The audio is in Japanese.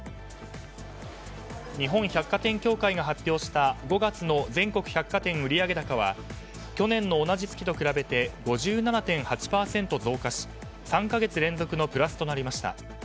日本百貨店協会が発表した５月の全国百貨店売上高は去年の同じ月と比べて５７．８％増加し３か月連続のプラスとなりました。